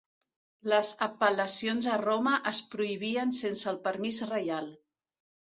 Les apel·lacions a Roma es prohibien sense el permís reial.